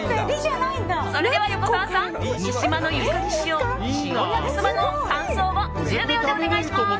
それでは、横澤さん三島のゆかり使用塩焼そばの感想を１０秒でお願いします。